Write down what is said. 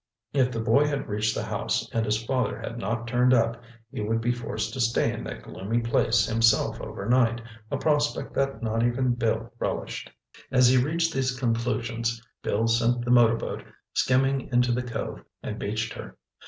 If the boy had reached the house and his father had not turned up, he would be forced to stay in that gloomy place himself overnight, a prospect that not even Bill relished. As he reached these conclusions, Bill sent the motorboat skimming into the cove and beached her.